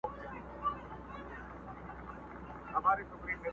له لښكر څخه را ليري سو تنها سو٫